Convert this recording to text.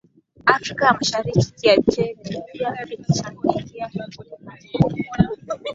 Afrika ya Mashariki Kiajemi pia kilichangia maneno